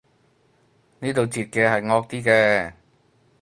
呢度截嘅係惡啲嘅